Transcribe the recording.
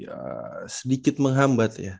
ee sedikit menghambat ya